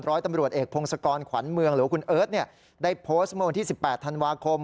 ร้อยตำรวจเอกพงศกรขวัญเมืองหรือว่าคุณเอิร์ทได้โพสต์เมื่อวันที่๑๘ธันวาคม